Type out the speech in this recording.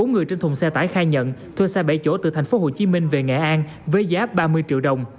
bốn người trên thùng xe tải khai nhận thuê xe bảy chỗ từ thành phố hồ chí minh về nghệ an với giá ba mươi triệu đồng